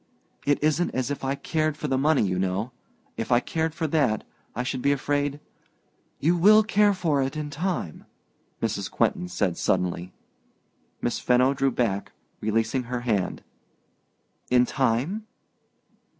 "It isn't as if I cared for the money, you know; if I cared for that, I should be afraid " "You will care for it in time," Mrs. Quentin said suddenly. Miss Fenno drew back, releasing her hand. "In time?"